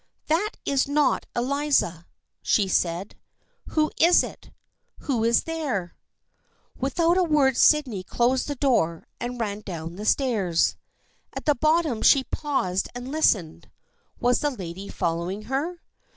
"That is not Eliza," she said. "Who is it? Who is there?" Without a word Sydney closed the door and ran down the stairs. At the bottom she paused and listened. Was the lady following her?